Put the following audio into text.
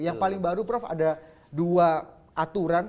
yang paling baru prof ada dua aturan